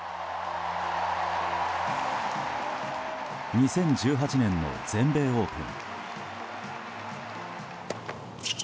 ２０１８年の全米オープン。